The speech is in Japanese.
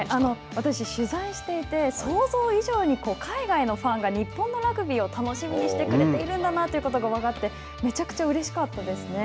私も取材していて想像以上に海外のファンが日本のラグビーを楽しみにしてくれているんだなということが分かってめちゃくちゃうれしかったですね。